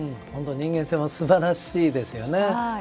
本当、人間性も素晴らしいですよね。